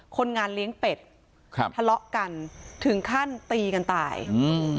คนงานเลี้ยงเป็ดครับทะเลาะกันถึงขั้นตีกันตายอืม